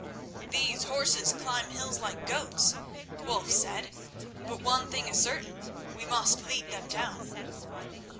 "These horses climb hills like goats," Wulf said; "but one thing is certain: we must lead them down."